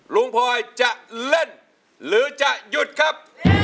พลอยจะเล่นหรือจะหยุดครับ